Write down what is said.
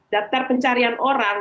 daftar pencarian orang